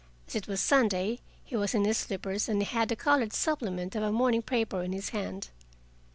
As it was Sunday, he was in his slippers and had the colored supplement of a morning paper in his hand.